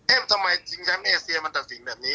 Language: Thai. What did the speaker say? ทำไมชิงแชมป์เอเซียมันตัดสินแบบนี้